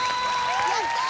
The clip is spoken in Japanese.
やったー！